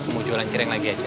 mau jualan cireng lagi aja